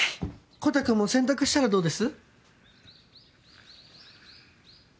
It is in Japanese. コタくんも洗濯したらどうです？